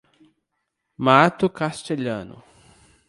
Mato Castelhano